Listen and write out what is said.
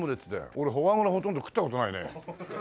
俺フォアグラほとんど食った事ないね。